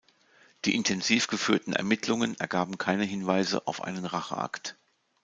Die intensiv geführten Ermittlungen ergaben keine Hinweise auf einen Racheakt.